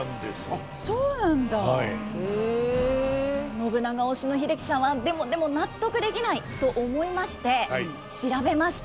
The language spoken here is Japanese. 信長推しの英樹さんは「でもでも納得できない」と思いまして調べました。